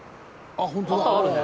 旗あるね。